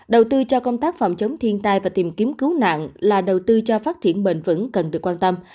đầu tư cho công tác phòng chống thiên tai và tìm kiếm cứu nạn là đầu tư cho phát triển bền vững cần được quan tâm